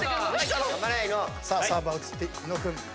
さあサーブは移って伊野尾君。